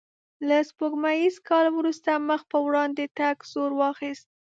له سپوږمیز کال وروسته مخ په وړاندې تګ زور واخیست.